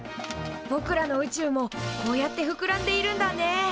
ぼくらの宇宙もこうやってふくらんでいるんだね。